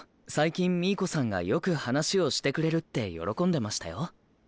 最近ミイコさんがよく話をしてくれるって喜んでましたよ。